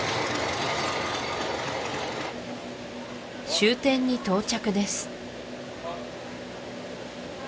終点に到着です